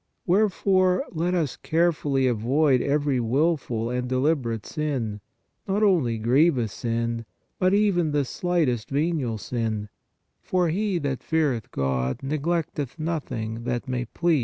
Wherefore, let us carefully avoid every wilful and deliberate sin, not only grievous sin, but even the slightest venial sin, for " he that feareth God, neglecteth nothing " (Eccles.